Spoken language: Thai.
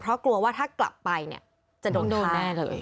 เพราะกลัวว่าถ้ากลับไปเนี่ยจะโดนท้า